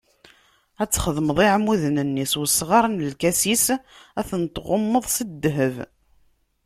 Ad txedmeḍ iɛmuden-nni s wesɣar n lkasis, ad ten-tɣummeḍ s ddheb.